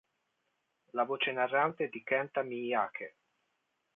La voce narrante è di Kenta Miyake.